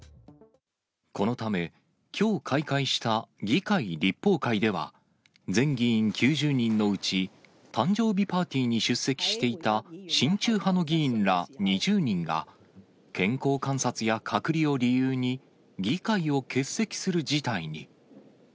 このため、きょう開会した議会、立法会では、全議員９０人のうち、誕生日パーティーに出席していた親中派の議員ら２０人が、健康観察や隔離を理由に、議会を欠席する事態に。